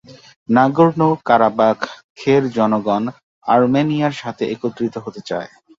নাগোর্নো-কারাবাখের জনগণ আর্মেনিয়ার সাথে একত্রিত হতে চায়।